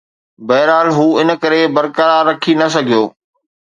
بهرحال، هو ان کي برقرار رکي نه سگهيو